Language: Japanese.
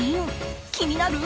気になる？